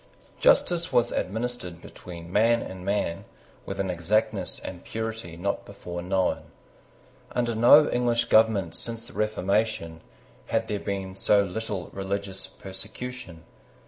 Justice was administered between man and man with an exactness and purity not before known. Under no English government since the Reformation, had there been so little religious persecution.